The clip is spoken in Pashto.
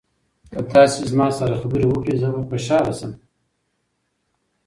که تاسي ما سره خبرې وکړئ زه به خوشاله شم.